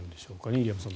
入山さん